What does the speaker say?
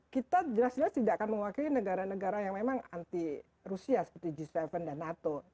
kita jelas jelas tidak akan mewakili negara negara yang memang anti rusia seperti g tujuh dan nato